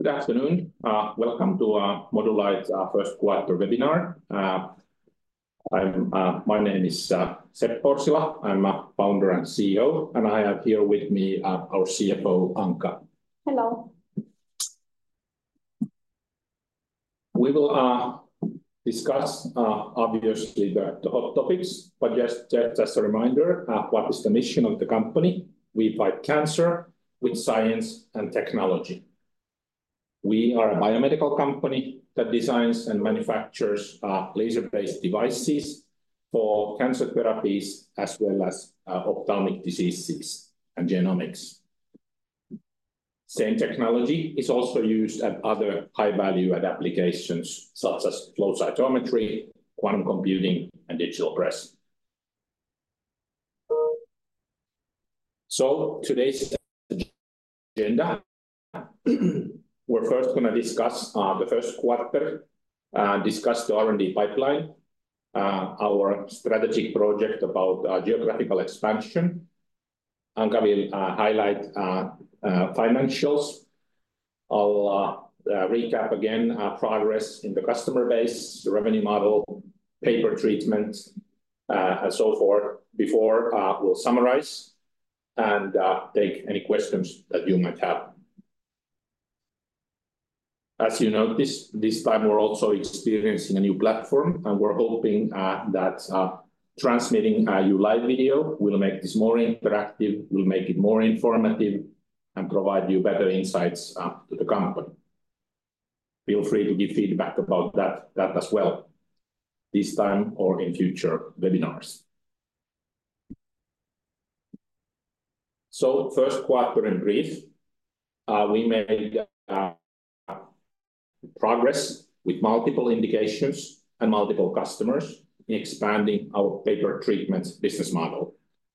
Good afternoon. Welcome to Modulight's first quarter webinar. My name is Seppo Orsila. I'm a founder and CEO, and I have here with me our CFO, Anca. Hello. We will discuss, obviously, the hot topics, but just as a reminder, what is the mission of the company: we fight cancer with science and technology. We are a biomedical company that designs and manufactures laser-based devices for cancer therapies as well as ophthalmic diseases and genomics. Same technology is also used at other high-value applications such as flow cytometry, quantum computing, and digital press. So today's agenda: we're first going to discuss the first quarter, discuss the R&D pipeline, our strategic project about geographical expansion. Anca will highlight financials. I'll recap again progress in the customer base, revenue model, pay per treatment, and so forth before we'll summarize and take any questions that you might have. As you notice, this time we're also experiencing a new platform, and we're hoping that transmitting to you live video will make this more interactive, will make it more informative, and provide you better insights to the company. Feel free to give feedback about that as well, this time or in future webinars. So first quarter in brief, we made progress with multiple indications and multiple customers in expanding our pay-per-treatment business model.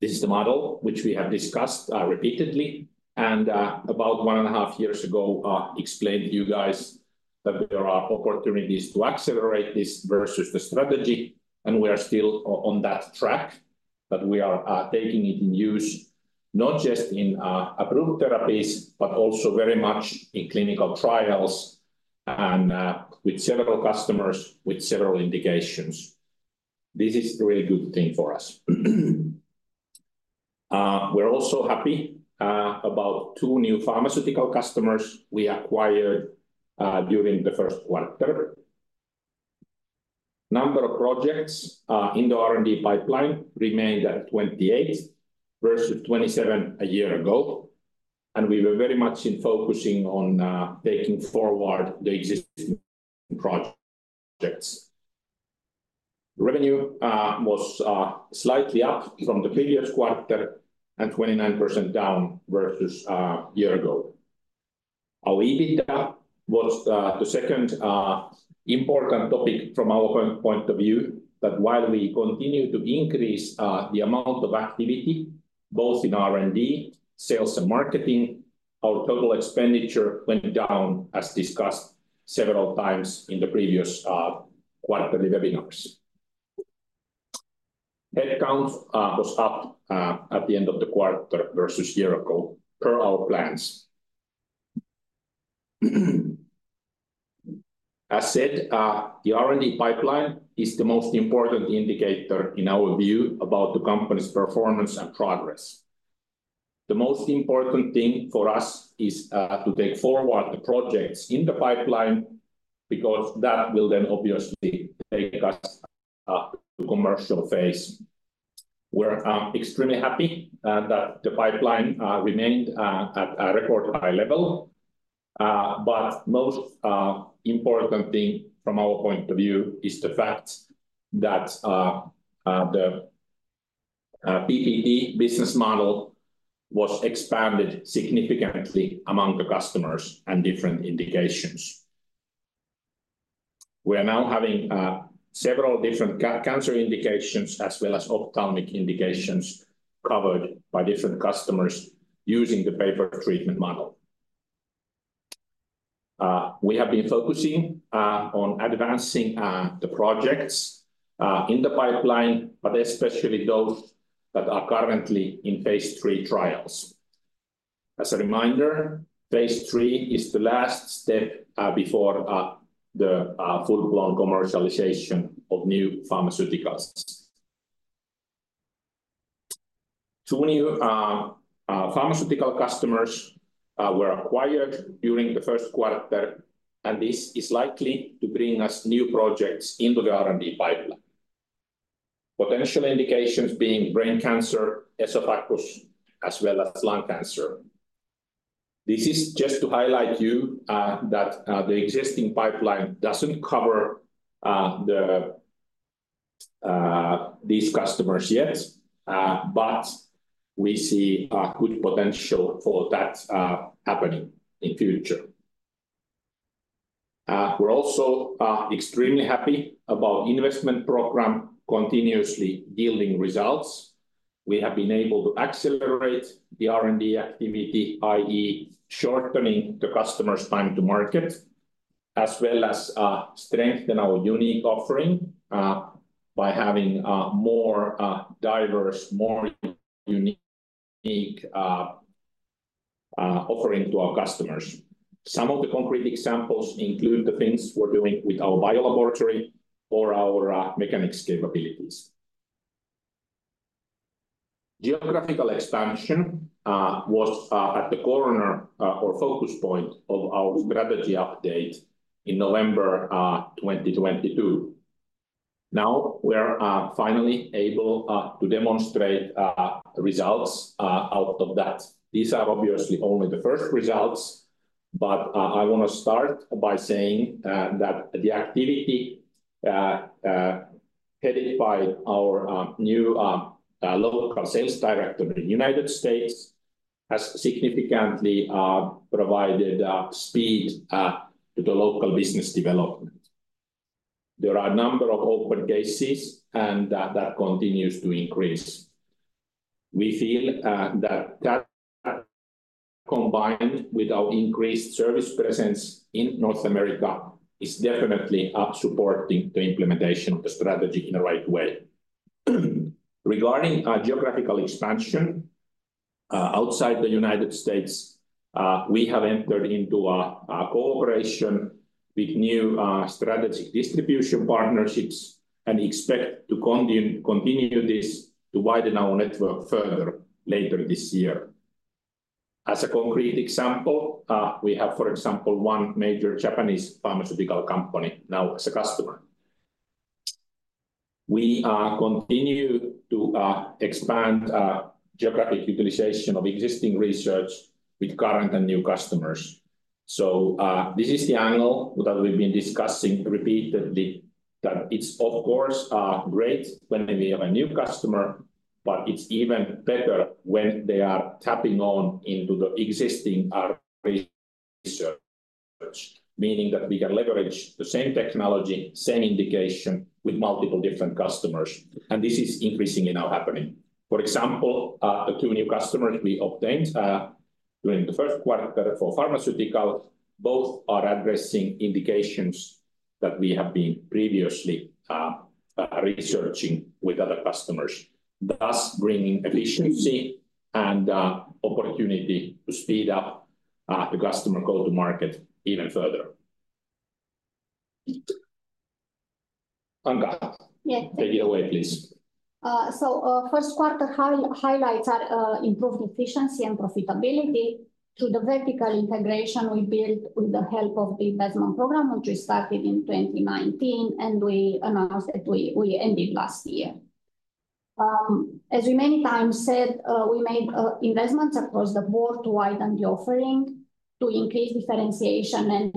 This is the model which we have discussed repeatedly and about 1.5 years ago explained to you guys that there are opportunities to accelerate this versus the strategy, and we are still on that track, but we are taking it in use not just in approved therapies but also very much in clinical trials and with several customers with several indications. This is a really good thing for us. We're also happy about two new pharmaceutical customers we acquired during the first quarter. Number of projects in the R&D pipeline remained at 28 versus 27 a year ago, and we were very much focusing on taking forward the existing projects. Revenue was slightly up from the previous quarter and 29% down versus a year ago. Our EBITDA was the second important topic from our point of view, but while we continue to increase the amount of activity both in R&D, sales, and marketing, our total expenditure went down, as discussed several times in the previous quarterly webinars. Headcount was up at the end of the quarter versus a year ago per our plans. As said, the R&D pipeline is the most important indicator in our view about the company's performance and progress. The most important thing for us is to take forward the projects in the pipeline because that will then obviously take us to the commercial phase. We're extremely happy that the pipeline remained at a record high level, but the most important thing from our point of view is the fact that the PPT business model was expanded significantly among the customers and different indications. We are now having several different cancer indications as well as ophthalmic indications covered by different customers using the pay per treatment model. We have been focusing on advancing the projects in the pipeline, but especially those that are currently in phase III trials. As a reminder, phase III is the last step before the full-blown commercialization of new pharmaceuticals. Two new pharmaceutical customers were acquired during the first quarter, and this is likely to bring us new projects into the R&D pipeline. Potential indications being brain cancer, esophagus, as well as lung cancer. This is just to highlight to you that the existing pipeline doesn't cover these customers yet, but we see good potential for that happening in the future. We're also extremely happy about the investment program continuously yielding results. We have been able to accelerate the R&D activity, i.e., shortening the customer's time to market, as well as strengthen our unique offering by having more diverse, more unique offering to our customers. Some of the concrete examples include the things we're doing with our biolaboratory or our mechanics capabilities. Geographical expansion was at the corner or focus point of our strategy update in November 2022. Now we're finally able to demonstrate results out of that. These are obviously only the first results, but I want to start by saying that the activity headed by our new local sales director in the United States has significantly provided speed to the local business development. There are a number of open cases, and that continues to increase. We feel that that, combined with our increased service presence in North America, is definitely supporting the implementation of the strategy in the right way. Regarding geographical expansion outside the United States, we have entered into a cooperation with new strategic distribution partnerships and expect to continue this to widen our network further later this year. As a concrete example, we have, for example, one major Japanese pharmaceutical company now as a customer. We continue to expand geographic utilization of existing research with current and new customers. So this is the angle that we've been discussing repeatedly, that it's, of course, great when we have a new customer, but it's even better when they are tapping on into the existing research, meaning that we can leverage the same technology, same indication with multiple different customers. And this is increasingly now happening. For example, the two new customers we obtained during the first quarter for pharmaceutical, both are addressing indications that we have been previously researching with other customers, thus bringing efficiency and opportunity to speed up the customer go-to-market even further. Anca, take it away, please. So first quarter highlights are improved efficiency and profitability through the vertical integration we built with the help of the investment program which we started in 2019, and we announced that we ended last year. As we many times said, we made investments across the board to widen the offering, to increase differentiation and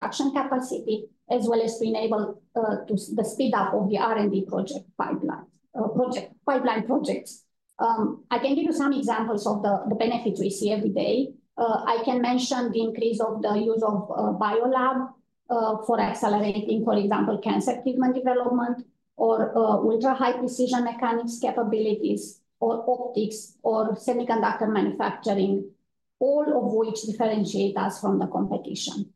production capacity, as well as to enable the speed-up of the R&D project pipeline projects. I can give you some examples of the benefits we see every day. I can mention the increase of the use of biolab for accelerating, for example, cancer treatment development or ultra-high precision mechanics capabilities or optics or semiconductor manufacturing, all of which differentiate us from the competition.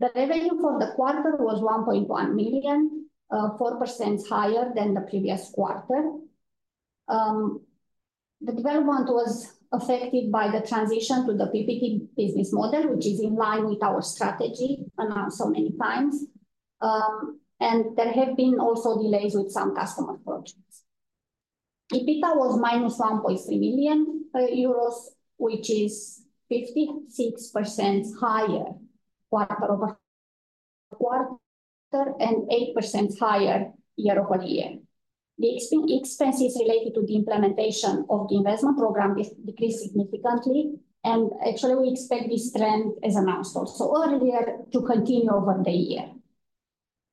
The revenue for the quarter was 1.1 million, 4% higher than the previous quarter. The development was affected by the transition to the PPT business model, which is in line with our strategy announced so many times. There have been also delays with some customer projects. EBITDA was -1.3 million euros, which is 56% higher quarter-over-quarter and 8% higher year-over-year. The expenses related to the implementation of the investment program decreased significantly. Actually, we expect this trend as announced also earlier to continue over the year.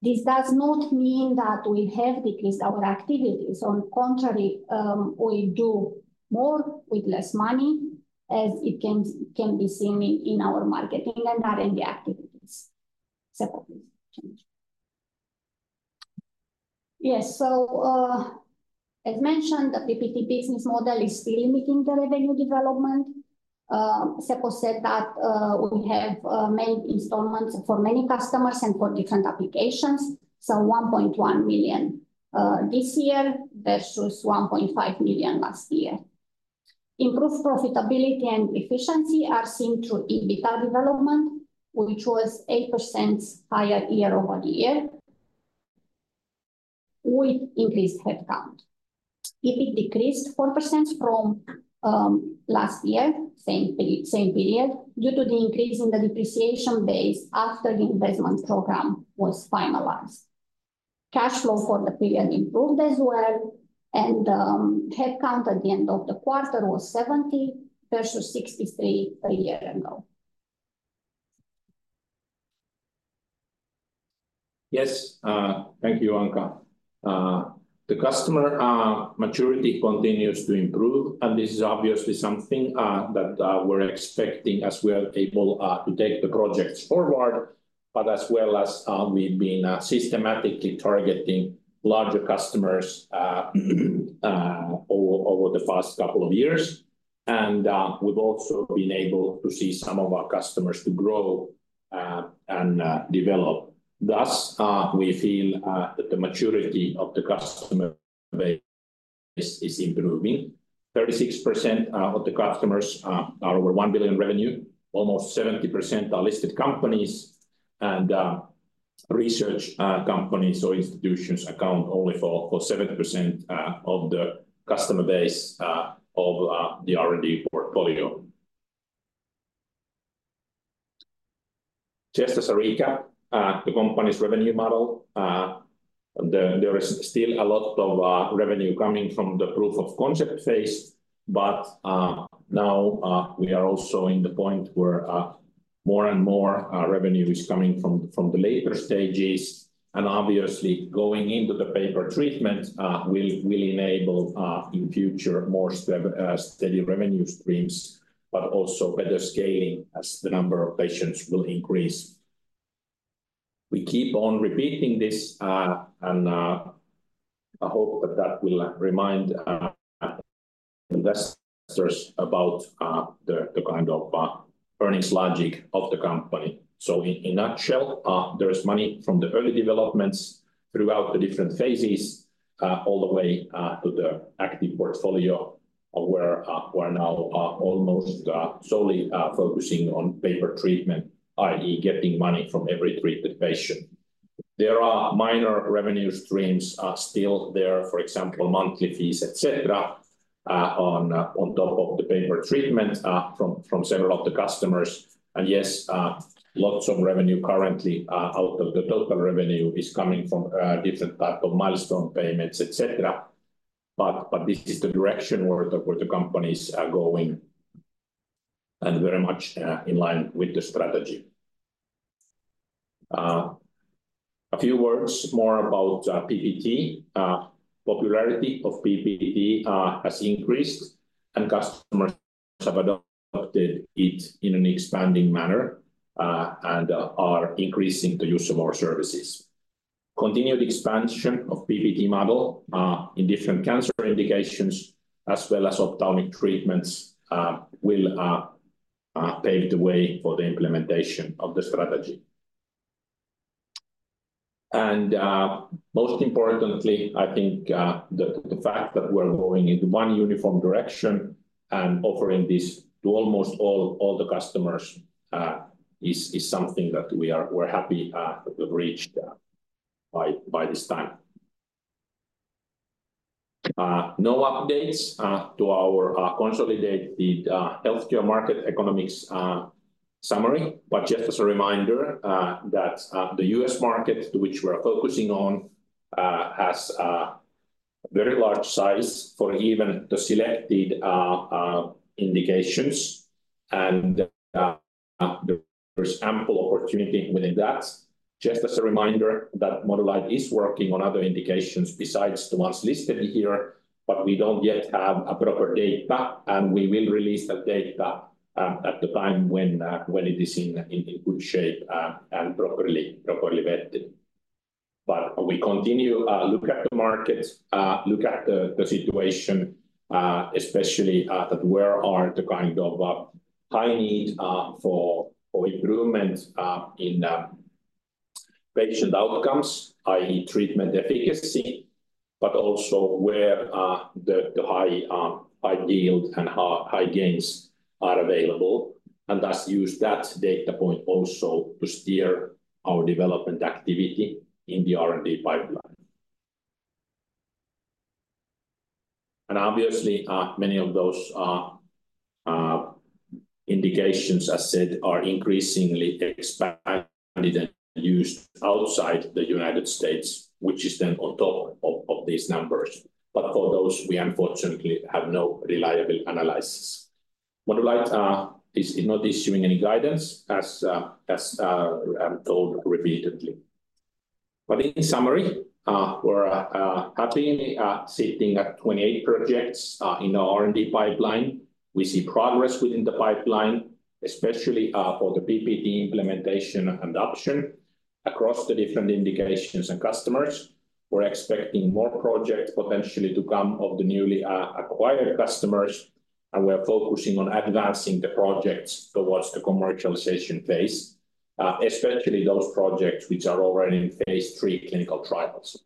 This does not mean that we have decreased our activities. On the contrary, we do more with less money, as it can be seen in our marketing and R&D activities. Seppo, please. Yes. So as mentioned, the PPT business model is still meeting the revenue development. Seppo said that we have made installments for many customers and for different applications. So 1.1 million this year versus 1.5 million last year. Improved profitability and efficiency are seen through EBITDA development, which was 8% higher year-over-year with increased headcount. EBIT decreased 4% from last year, same period, due to the increase in the depreciation base after the investment program was finalized. Cash flow for the period improved as well. Headcount at the end of the quarter was 70 versus 63 a year ago. Yes. Thank you, Anca. The customer maturity continues to improve, and this is obviously something that we're expecting as we are able to take the projects forward, but as well as we've been systematically targeting larger customers over the past couple of years. We've also been able to see some of our customers grow and develop. Thus, we feel that the maturity of the customer base is improving. 36% of the customers are over 1 billion revenue. Almost 70% are listed companies. Research companies or institutions account only for 70% of the customer base of the R&D portfolio. Just as a recap, the company's revenue model, there is still a lot of revenue coming from the proof-of-concept phase. But now we are also in the point where more and more revenue is coming from the later stages. And obviously, going into the pay per treatment will enable in the future more steady revenue streams, but also better scaling as the number of patients will increase. We keep on repeating this, and I hope that that will remind investors about the kind of earnings logic of the company. So in a nutshell, there is money from the early developments throughout the different phases all the way to the active portfolio where we are now almost solely focusing on pay per treatment, i.e., getting money from every treated patient. There are minor revenue streams still there, for example, monthly fees, etc., on top of the pay per treatment from several of the customers. And yes, lots of revenue currently out of the total revenue is coming from different types of milestone payments, etc. But this is the direction where the company is going and very much in line with the strategy. A few words more about PPT. Popularity of PPT has increased, and customers have adopted it in an expanding manner and are increasing the use of our services. Continued expansion of PPT model in different cancer indications, as well as ophthalmic treatments, will pave the way for the implementation of the strategy. Most importantly, I think the fact that we're going into one uniform direction and offering this to almost all the customers is something that we're happy that we've reached by this time. No updates to our consolidated healthcare market economics summary. Just as a reminder that the U.S. market, to which we're focusing on, has a very large size for even the selected indications. There is ample opportunity within that. Just as a reminder that Modulight is working on other indications besides the ones listed here, but we don't yet have a proper data. We will release that data at the time when it is in good shape and properly vetted. But we continue to look at the markets, look at the situation, especially that where are the kind of high need for improvement in patient outcomes, i.e., treatment efficacy, but also where the high yield and high gains are available. And thus, use that data point also to steer our development activity in the R&D pipeline. And obviously, many of those indications, as said, are increasingly expanded and used outside the United States, which is then on top of these numbers. But for those, we unfortunately have no reliable analysis. Modulight is not issuing any guidance, as I'm told repeatedly. But in summary, we're happily sitting at 28 projects in our R&D pipeline. We see progress within the pipeline, especially for the PPT implementation and adoption across the different indications and customers. We're expecting more projects potentially to come of the newly acquired customers. We're focusing on advancing the projects towards the commercialization phase, especially those projects which are already in phase three clinical trials.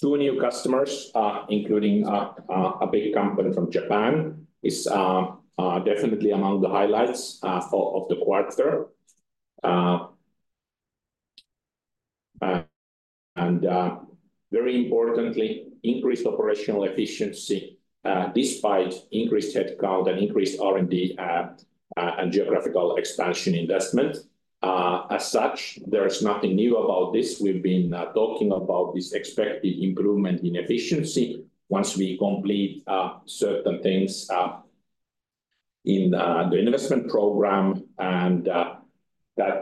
Two new customers, including a big company from Japan, is definitely among the highlights of the quarter. Very importantly, increased operational efficiency despite increased headcount and increased R&D and geographical expansion investment. As such, there is nothing new about this. We've been talking about this expected improvement in efficiency once we complete certain things in the investment program.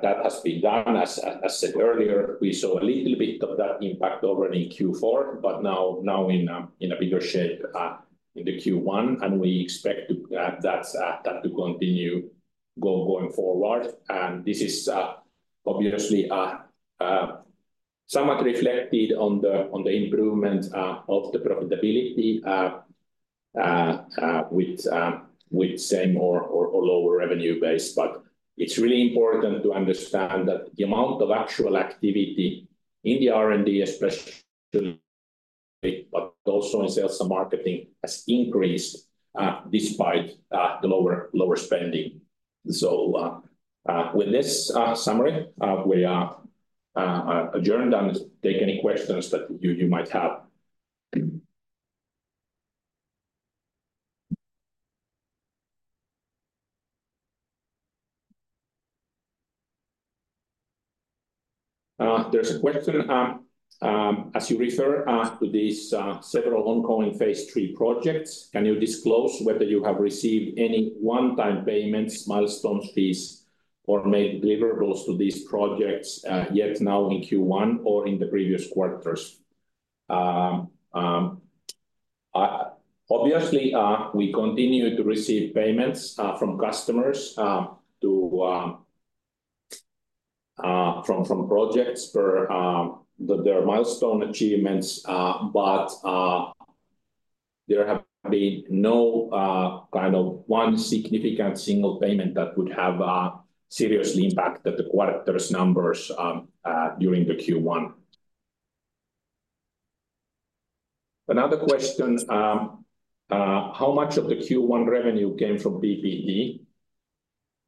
That has been done. As said earlier, we saw a little bit of that impact already in Q4, but now in a bigger shape in the Q1. We expect that to continue going forward. This is obviously somewhat reflected on the improvement of the profitability with same or lower revenue base. It's really important to understand that the amount of actual activity in the R&D, especially, but also in sales and marketing, has increased despite the lower spending. With this summary, we are adjourned. I'll take any questions that you might have. There's a question. As you refer to these several ongoing phase three projects, can you disclose whether you have received any one-time payments, milestone fees, or made deliverables to these projects yet now in Q1 or in the previous quarters? Obviously, we continue to receive payments from customers from projects for their milestone achievements. But there have been no kind of one significant single payment that would have seriously impacted the quarter's numbers during the Q1. Another question. How much of the Q1 revenue came from PPT?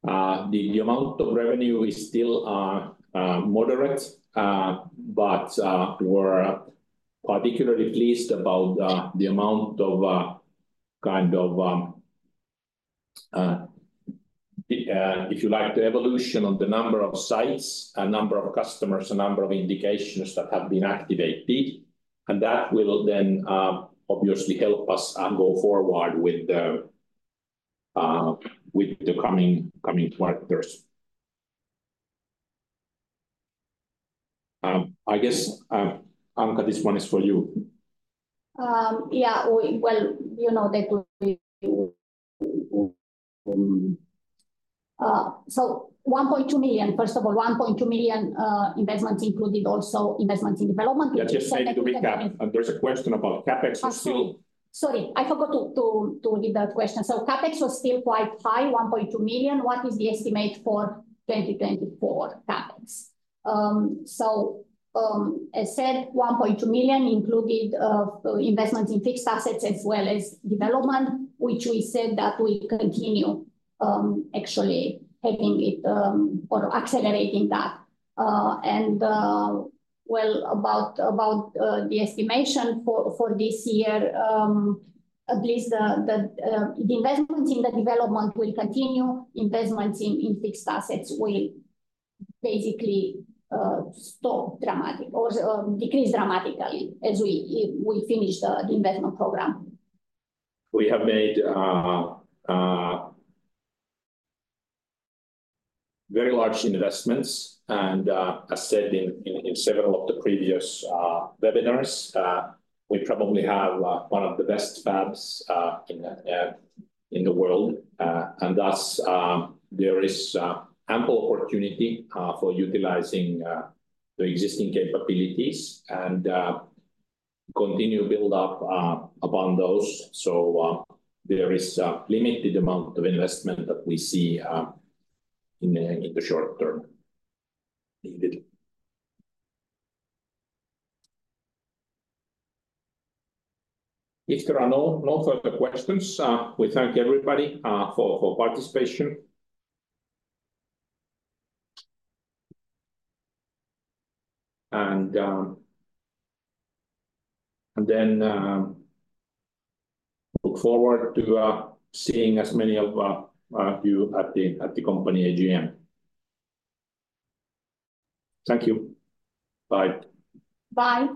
The amount of revenue is still moderate. But we're particularly pleased about the amount of kind of, if you like, the evolution of the number of sites, a number of customers, a number of indications that have been activated. And that will then obviously help us go forward with the coming quarters. I guess, Anca, this one is for you. Yeah. Well, you know that we, so 1.2 million, first of all, 1.2 million investments included also investments in development. Just saying to recap, there's a question about CapEx. Sorry. I forgot to read that question. So CapEx was still quite high, 1.2 million. What is the estimate for 2024 CapEx? So as said, 1.2 million included investments in fixed assets as well as development, which we said that we continue actually having it or accelerating that. And well, about the estimation for this year, at least the investments in the development will continue. Investments in fixed assets will basically stop dramatic or decrease dramatically as we finish the investment program. We have made very large investments. As said in several of the previous webinars, we probably have one of the best fabs in the world. Thus, there is ample opportunity for utilizing the existing capabilities and continue to build up upon those. There is a limited amount of investment that we see in the short term. If there are no further questions, we thank everybody for participation. Then look forward to seeing as many of you at the company AGM. Thank you. Bye. Bye.